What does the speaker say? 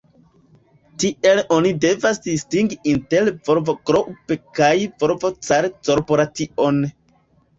Tiel oni devas distingi inter "Volvo Group" kaj "Volvo Car Corporation".